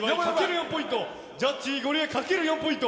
４ポイントジャッジゴリエかける５ポイント。